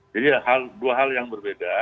jadi dua hal yang berbeda